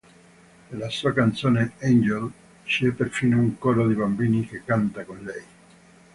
Nella sua canzone "Angel", c'è perfino un coro di bambini che canta con lei.